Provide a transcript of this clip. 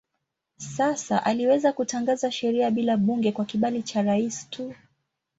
Sasa aliweza kutangaza sheria bila bunge kwa kibali cha rais tu.